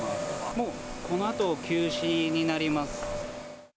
もう、このあと休止になります。